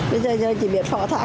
bây giờ chỉ biết phỏ thạc